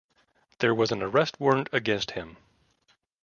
There was an arrest warrant against him.